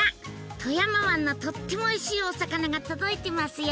富山湾のとってもおいしいお魚が届いてますよ！